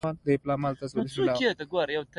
سترګکونه وهي